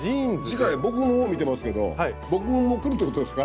次回僕の方見てますけど僕も来るってことですか？